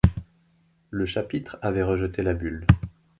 Le chapitre avait rejeté la bulle.